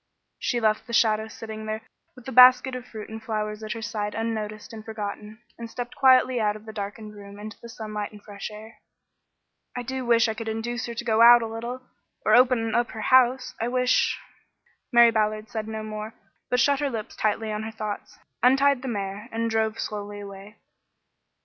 She left the shadow sitting there with the basket of fruit and flowers at her side unnoticed and forgotten, and stepped quietly out of the darkened room into the sunlight and fresh air. "I do wish I could induce her to go out a little or open up her house. I wish " Mary Ballard said no more, but shut her lips tightly on her thoughts, untied the mare, and drove slowly away.